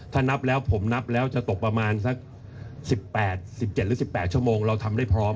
ถ้านับแล้วผมนับแล้วจะตกประมาณสัก๑๘๑๗หรือ๑๘ชั่วโมงเราทำได้พร้อม